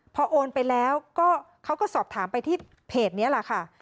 พอโอนไปแล้วก็เขาก็สอบถามไปที่เพจนี้แหละค่ะ